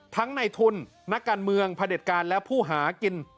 ทั้งในทุนนักการเมืองผดการและผู้หากิน